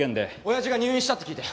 親父が入院したって聞いて。